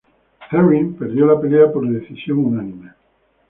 Herring perdió la pelea por decisión unánime.